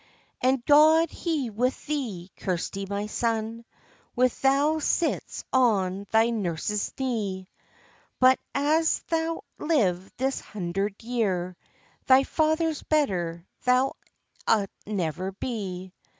"And God he with thee, Kirsty, my son, Where thou sits on thy nurse's knee! But an thou live this hundred year, Thy father's better thou'lt never be.